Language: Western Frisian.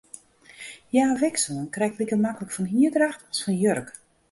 Hja wikselen krekt like maklik fan hierdracht as fan jurk.